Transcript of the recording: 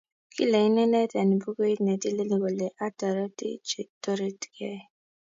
Kile inendet eng bukuit netilil kole atoriti chetoritikei